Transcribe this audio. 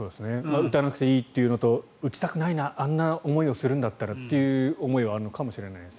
打たなくていいというのと打ちたくないなあんな思いをするんだったらという思いはあるのかもしれませんね。